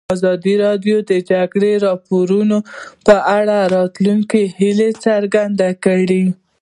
ازادي راډیو د د جګړې راپورونه په اړه د راتلونکي هیلې څرګندې کړې.